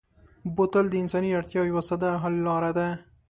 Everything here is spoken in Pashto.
بوتل د انساني اړتیا یوه ساده حل لاره ده.